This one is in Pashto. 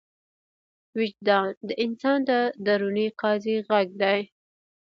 وجدان د انسان د دروني قاضي غږ دی.